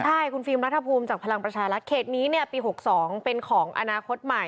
ใช่คุณฟิล์มรัฐภูมิจากพลังประชารัฐเขตนี้เนี่ยปี๖๒เป็นของอนาคตใหม่